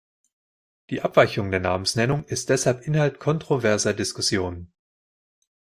Die Abweichung der Namensnennung ist deshalb Inhalt kontroverser Diskussionen.